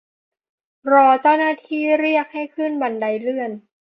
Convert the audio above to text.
รอเจ้าหน้าที่เรียกให้ขึ้นบันไดเลื่อน